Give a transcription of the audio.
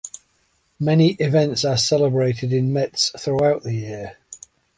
Many events are celebrated in Metz throughout the year.